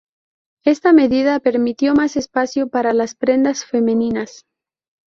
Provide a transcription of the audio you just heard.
Esta medida permitió más espacio para las prendas femeninas.